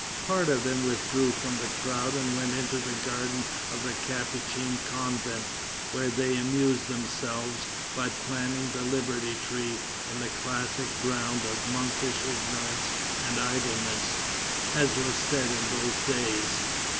Part of them withdrew from the crowd and went into the garden of the Capuchin convent, where they amused themselves by planting the Liberty tree in the classic ground of monkish ignorance and idleness, as was said in those days.